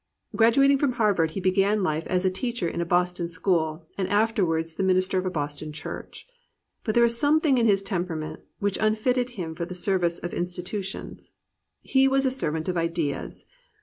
Graduating from Harvard he began life as a teacher in a Boston school and afterwards the min ister of a Boston church. But there was something in his temp>erament which unfitted him for the ser \'ice of institutions. He was a servant of ideas.